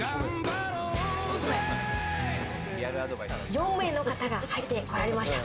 ４名の方が入ってこられました。